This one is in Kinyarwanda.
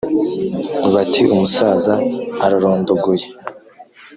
Bati : Umusaza ararondogoye.